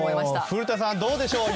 古田さん、どうでしょう。